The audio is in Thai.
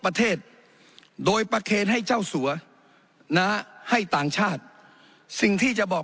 ประเทศโดยประเคนให้เจ้าสัวนะให้ต่างชาติสิ่งที่จะบอก